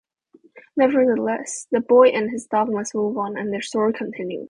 Nevertheless, the boy and his dog must move on, and their story continues.